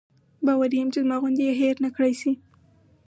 باوري یم چې زما غوندې یې هېر نکړای شي.